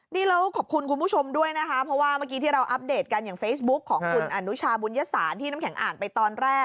นี่แล้วขอบคุณคุณผู้ชมด้วยนะคะเพราะว่าเมื่อกี้ที่เราอัปเดตกันอย่างเฟซบุ๊คของคุณอนุชาบุญญสารที่น้ำแข็งอ่านไปตอนแรก